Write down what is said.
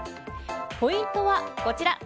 ポイントはこちら。